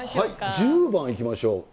１０番いきましょう。